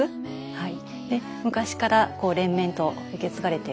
はい。